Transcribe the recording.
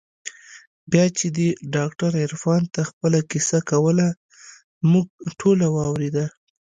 بيا چې دې ډاکتر عرفان ته خپله کيسه کوله موږ ټوله واورېده.